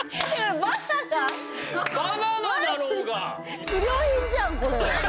バナナだろうが！